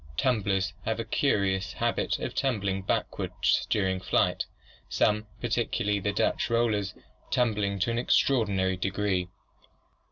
Tumblers have a curious habit of tumbling backward during flight, some, particularly the Dutch Rollers, tumbling to an extraordinary degree.